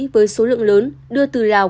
với số lượng lớn đưa từ lào